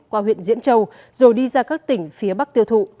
qua huyện diễn châu rồi đi ra các tỉnh phía bắc tiêu thụ